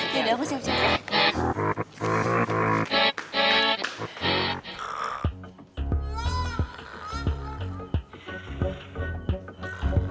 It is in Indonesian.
yaudah aku siap siap